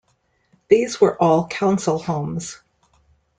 These were all council homes.